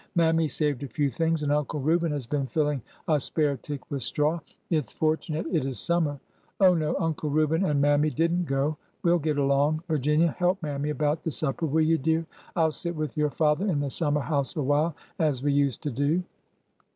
Mammy saved a fev/ things and Uncle Reuben has been filling a spare tick with straw. It 's for tunate it is summer. Oh, no ! Uncle Reuben and Mammy didn't go. ... We'll get along! Virginia, help Mammy about the supper, will you, dear ? I 'll sit with your father in the summer house a while— as we used to do."